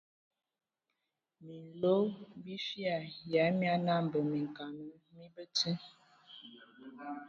Minlo bifia ya mia nambə minkana mi bəti.